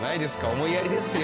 思いやりですよ。